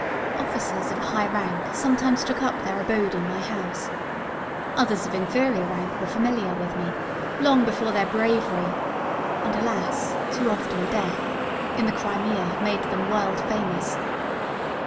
Officers of high rank sometimes took up their abode in my house. Others of inferior rank were familiar with me, long before their bravery, and, alas! too often death, in the Crimea, made them world famous.